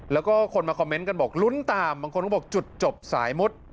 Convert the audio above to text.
แล้วก็คนมาคอมเมนต์กันบอกลุ้นตามบางคนก็บอกจุดจบสายมุด